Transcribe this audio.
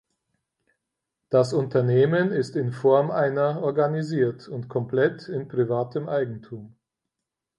Das Unternehmen ist in Form einer organisiert und komplett in privatem Eigentum.